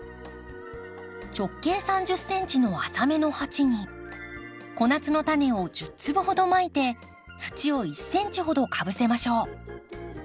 直径３０ｃｍの浅めの鉢に小夏のタネを１０粒ほどまいて土を１ｃｍほどかぶせましょう。